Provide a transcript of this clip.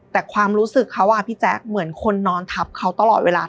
แต่ความรู้สึกเขาพี่แจ๊คเหมือนคนนอนทับเขาตลอดเวลา